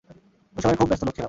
ঐ সময়ে খুব ব্যস্তলোক ছিলাম।